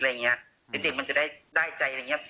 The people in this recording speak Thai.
พี่ติมันจะได้ใจอะไรอย่างนี้